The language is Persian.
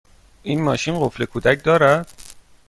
این ماشین قفل کودک دارد؟